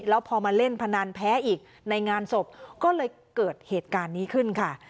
แล้วพอมาเล่นพนันแพ้อีกในงานศพก็เลยเกิดเหตุการณ์นี้ขึ้นค่ะ